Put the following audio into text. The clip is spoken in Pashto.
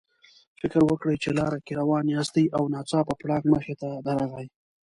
فکر وکړئ چې لار کې روان یاستئ او ناڅاپه پړانګ مخې ته درغی.